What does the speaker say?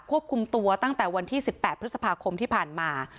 ควบคุมตัวตั้งแต่วันที่๑๘พฤษภาคมที่ผ่านมา